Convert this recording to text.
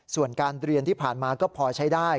ส่วนการเรียนที่ผ่านมาก็พอใช้ได้